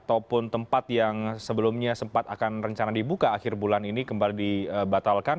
ataupun tempat yang sebelumnya sempat akan rencana dibuka akhir bulan ini kembali dibatalkan